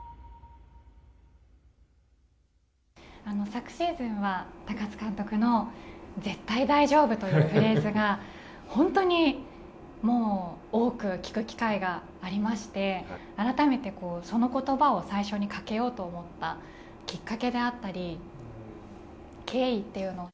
昨シーズンは、高津監督の絶対大丈夫というフレーズが本当に多く聞く機会がありましてあらためて、その言葉を最初にかけようと思ったきっかけであったり経緯というのは。